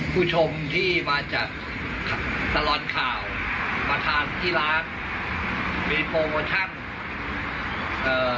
ผู้ชมที่มาจากตลอดข่าวมาทานที่ร้านมีโปรโมชั่นเอ่อ